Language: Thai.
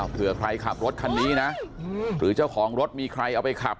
เผื่อใครขับรถคันนี้นะหรือเจ้าของรถมีใครเอาไปขับ